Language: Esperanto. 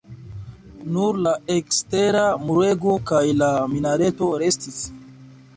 Nur la ekstera murego kaj la minareto restis.